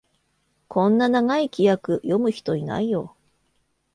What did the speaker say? こんな長い規約、読む人いないよ